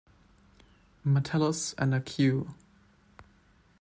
Metellus' and a 'Q.